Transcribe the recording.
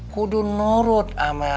kudu nurut sama abang lo